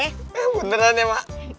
eh beneran ya emak